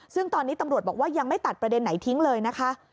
ซึ่งตอนนี้ตำรวจบอกว่ายังไม่ตัดประเด็นไหนทิ้งเลยนะคะ